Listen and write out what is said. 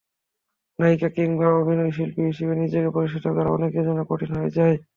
নায়িকা কিংবা অভিনয়শিল্পী হিসেবে নিজেকে প্রতিষ্ঠিত করা অনেকের জন্য কঠিন হয়ে যায়।